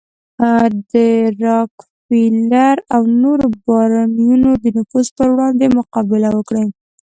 د راکفیلر او نورو بارونیانو د نفوذ پر وړاندې مقابله وکړي.